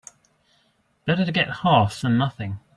Better to get half than nothing.